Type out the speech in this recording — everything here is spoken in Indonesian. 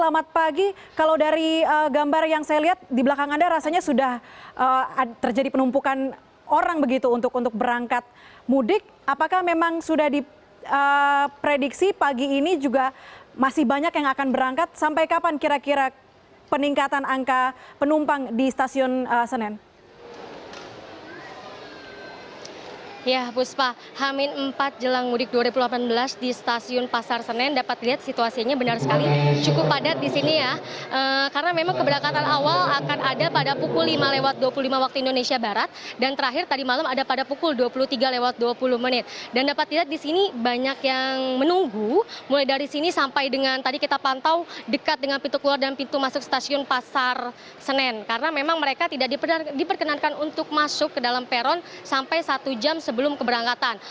mereka tidak diperkenankan untuk masuk ke dalam peron sampai satu jam sebelum keberangkatan